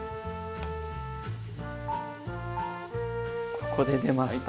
ここで出ました